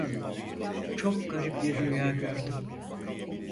Çok garip bir rüya gördüm.